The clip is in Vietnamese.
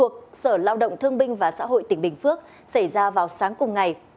thuộc sở lao động thương binh và xã hội tỉnh bình phước xảy ra vào sáng cùng ngày